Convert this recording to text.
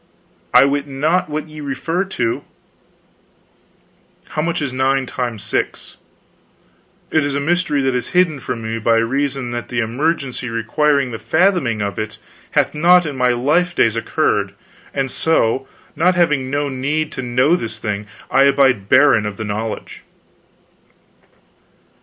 "I wit not what ye refer to." "How much is 9 times 6?" "It is a mystery that is hidden from me by reason that the emergency requiring the fathoming of it hath not in my life days occurred, and so, not having no need to know this thing, I abide barren of the knowledge."